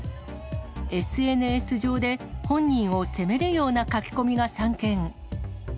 ＳＮＳ上で本人を責めるような書き込みが散見。